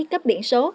cấp biển số